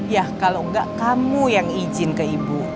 ya kalau enggak kamu yang izin ke ibu